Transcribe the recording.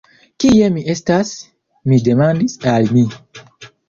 Kie mi estas? mi demandis al mi.